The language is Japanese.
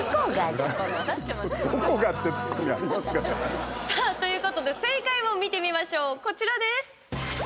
どこがってツッコミあります？ということで正解を見てみましょう。